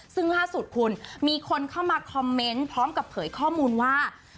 ซึ่งล่าสุดคุณมีคนเข้ามาคอมเมนต์พร้อมกับเผยข้อมูลว่า